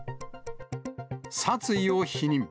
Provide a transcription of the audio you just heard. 殺意を否認。